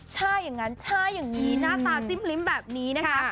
ใช่อย่างงั้นใช่อย่างนี้นะตาสิ้มริ้มแบบนี้นะคะ